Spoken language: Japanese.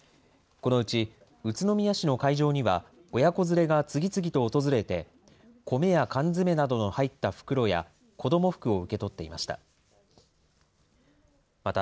このうち、宇都宮市の会場には、親子連れが次々と訪れて、米や缶詰などの入った袋や、子ども服を受け取っていました。